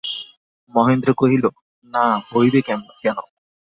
মহেন্দ্র কহিল, না হইবে কেন।